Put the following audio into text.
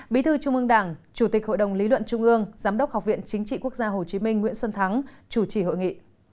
bí thư trung ương đảng chủ tịch hội đồng lý luận trung ương giám đốc học viện chính trị quốc gia hồ chí minh nguyễn xuân thắng chủ trì hội nghị